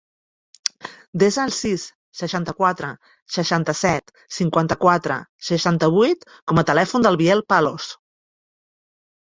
Desa el sis, seixanta-quatre, seixanta-set, cinquanta-quatre, seixanta-vuit com a telèfon del Biel Palos.